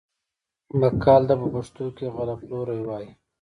بقال ته په پښتو کې غله پلوری وايي.